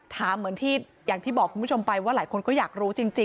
เหมือนที่อย่างที่บอกคุณผู้ชมไปว่าหลายคนก็อยากรู้จริง